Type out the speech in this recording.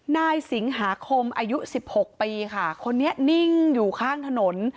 นายสิงหาคมอายุสิบหกปีค่ะคนนี้นิ่งอยู่ข้างถนน